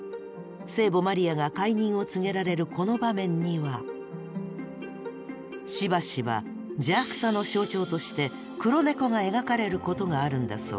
聖母マリアが懐妊を告げられるこの場面にはしばしば邪悪さの象徴として黒猫が描かれることがあるんだそう。